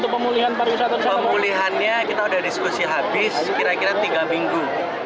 untuk pemulihannya kita sudah diskusi habis kira kira tiga minggu